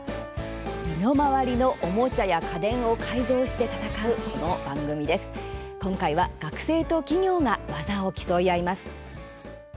身の回りのおもちゃや家電を改造して戦う、この番組、今回は学生と企業が技を競い合います。